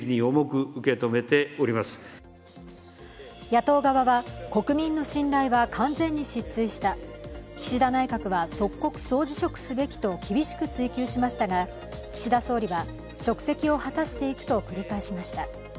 野党側は国民の信頼は完全に失墜した、岸田内閣は即刻総辞職すべきと厳しく追及しましたが岸田総理は職責を果たしていくと繰り返しました。